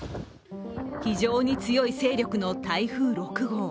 非常に強い勢力の台風６号。